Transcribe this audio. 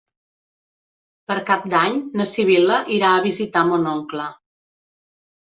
Per Cap d'Any na Sibil·la irà a visitar mon oncle.